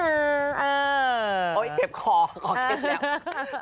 เอ้ยเก็บคอคอเก็บแล้ว